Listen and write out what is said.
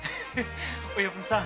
親分さん